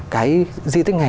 cái di tích này